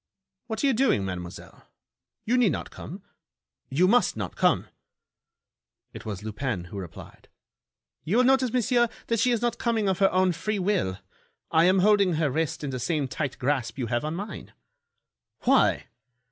"What are you doing, Mademoiselle? You need not come. You must not come!" It was Lupin who replied: "You will notice, monsieur, that she is not coming of her own free will. I am holding her wrist in the same tight grasp that you have on mine." "Why?"